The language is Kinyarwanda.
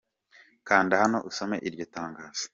Kanda hano usome iryo tangazo :